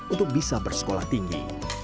untuk bisa bersekolah tinggi